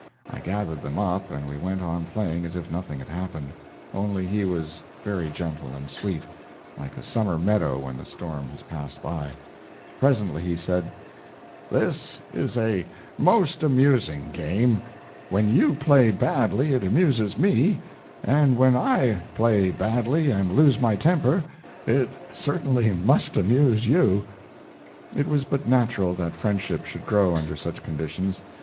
I gathered them up and we went on playing as if nothing had happened, only he was very gentle and sweet, like a summer meadow when the storm has passed by. Presently he said: "This is a most amusing game. When you play badly it amuses me, and when I play badly and lose my temper it certainly must amuse you." It was but natural that friendship should grow under such conditions.